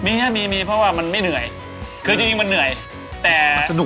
เวลาคนดูเยอะแล้วมันไม่มีหมด